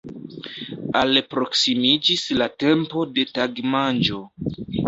Alproksimiĝis la tempo de tagmanĝo.